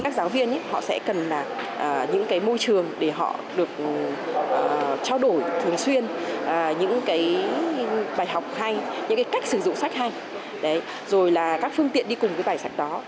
tuy nhiên họ sẽ cần những môi trường để họ được trao đổi thường xuyên những bài học hay những cách sử dụng sách hay rồi là các phương tiện đi cùng với bài sách đó